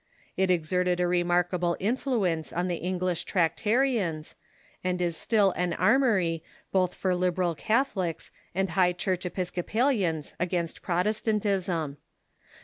It exerted a remarkable influence on the English Trac tarians, and it is still an armory both for liberal Catholics and High Church Episcopalians against Protestantism.